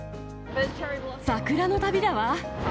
桜の旅だわ。